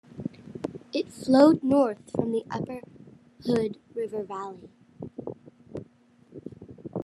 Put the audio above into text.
It flowed north from the Upper Hood River Valley.